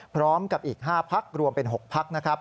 พร้อมกับอีก๕ภักดิ์รวมเป็น๖ภักดิ์นะครับ